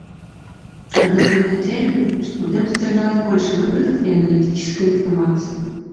Однако мы хотели бы, чтобы в нем содержалось больше выводов и аналитической информации.